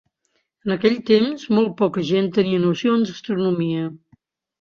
En aquell temps, molt poca gent tenia nocions d'astronomia.